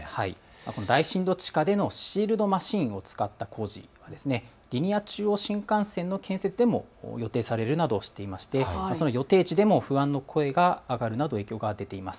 大深度地下でのシールドマシンを使った工事、リニア中央新幹線の建設も予定されるなどしていましてその予定地でも不安の声が上がるなど影響が出ています。